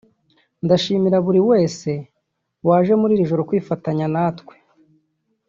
Ndashimira buri wese waje muri iri joro kwifatanya na twe